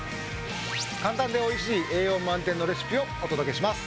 簡単でおいしい栄養満点のレシピをお届けします。